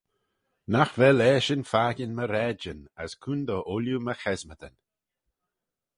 Nagh vel eshyn fakin my raaidyn, as coontey ooilley my chesmadyn.